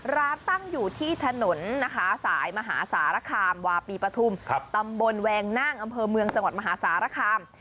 ร้านตั้งอยู่ที่ถนนนะคะสายมหาสารคามวาปีปฐุมตำบลแวงนั่งอำเภอเมืองจังหวัดมหาสารคาม